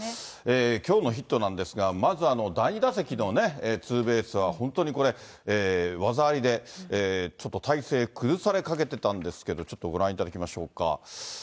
きょうのヒットなんですが、まず第２打席のツーベースは本当にこれ、技ありで、ちょっと体勢崩されかけてたんですけど、ちょっとご覧いただきましょうか。